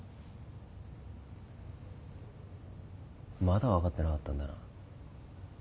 まだ分かってなかったんだな。